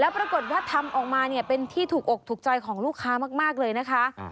ปรากฏว่าทำออกมาเนี่ยเป็นที่ถูกอกถูกใจของลูกค้ามากเลยนะคะ